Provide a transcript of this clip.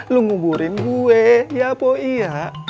lu nguburin gue ya poi ya